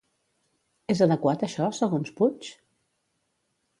És adequat això, segons Puig?